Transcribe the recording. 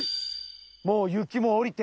もう雪も降りて。